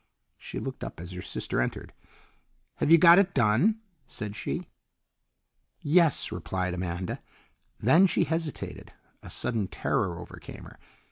She looked up as her sister entered. "Have you got it done?" said she. "Yes," replied Amanda. Then she hesitated. A sudden terror overcame her.